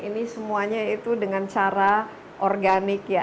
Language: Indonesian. ini semuanya itu dengan cara organik ya